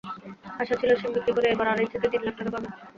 আশা ছিল, শিম বিক্রি করে এবার আড়াই থেকে তিন লাখ টাকা পাবেন।